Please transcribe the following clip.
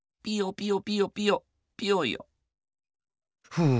ふう。